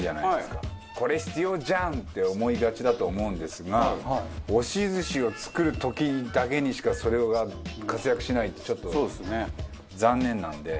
これ必要じゃんって思いがちだと思うんですが押し寿司を作る時だけにしかそれが活躍しないってちょっと残念なので。